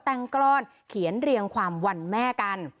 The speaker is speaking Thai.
แต่งกล้อนเขียนเรียงความวันแม่กัน